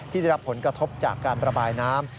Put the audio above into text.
ได้รับผลกระทบจากการประบายน้ำ